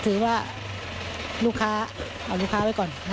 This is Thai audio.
ถือว่าลูกค้าเอาลูกค้าไว้ก่อน